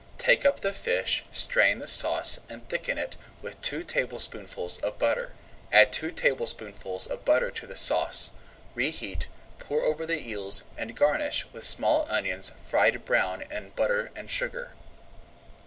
Take up the fish, strain the sauce, and thicken it with two tablespoonfuls of butter. Add two tablespoonfuls of butter to the sauce, reheat, pour over the eels, and garnish with small onions fried brown in butter and sugar.